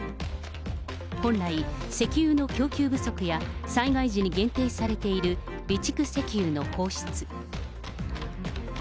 本来、石油の供給不足や、災害時に限定されている備蓄石油の放出。